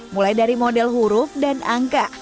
mulai dari model huruf dan angka